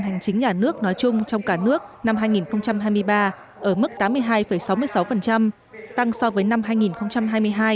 hành chính nhà nước nói chung trong cả nước năm hai nghìn hai mươi ba ở mức tám mươi hai sáu mươi sáu tăng so với năm hai nghìn hai mươi hai